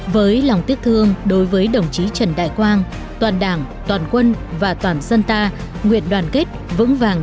với lòng tiếc thương đối với đồng chí trần đại quang toàn đảng toàn quân và toàn dân ta nguyện đoàn kết vững vàng